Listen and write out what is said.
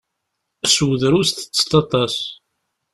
Sew drus, teṭṭseḍ aṭas.